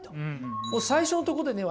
最初のとこでね